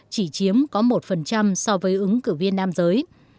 chỉ chiếm có một so với ứng cử viên nam giới